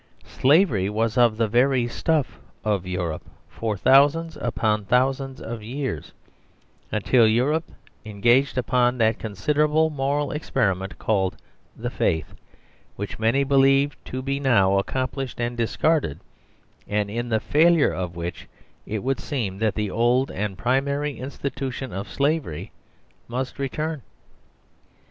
Slavery was of the very stuff of Europe for thousands upon thousands of years, until Europe engaged upon that considerable moral experiment called The Faith, which many believe to be now accomplished and dis carded, and in the failure of which it would seem that the old and primary institution of Slavery must return.